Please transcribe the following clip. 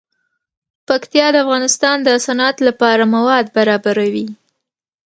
پکتیا د افغانستان د صنعت لپاره مواد برابروي.